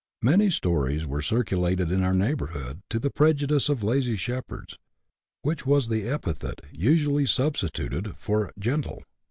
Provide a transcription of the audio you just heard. Many stories were circulated in our neighbourhood to the prejudice of lazy shepherds, which was the epithet usually sub stituted for " gentle."